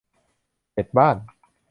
เน็ตบ้าน